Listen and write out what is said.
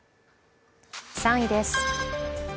３位です。